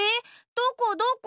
どこどこ？